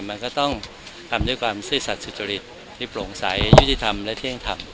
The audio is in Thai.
มันก็ต้องทำด้วยความซื่อสัตว์สุจริตที่โปร่งใสยุติธรรมและเที่ยงธรรม